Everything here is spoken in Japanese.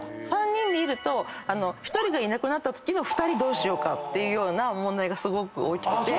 ３人でいると１人がいなくなったときの２人どうしようかって問題がすごく大きくて。